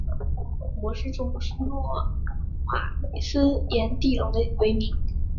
模式种是诺瓦斯颜地龙为名。